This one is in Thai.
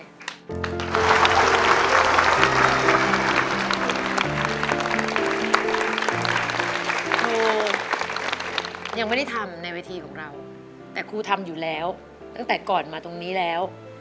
ครูยังไม่ได้ทำในเวทีของเราแต่ครูทำอยู่แล้วตั้งแต่ก่อนมาตรงนี้แล้ว